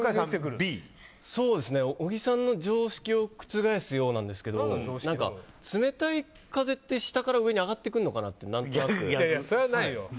小木さんの常識を覆すようなんですけど冷たい風って下から上に上がってくるのかなってそれはないよ！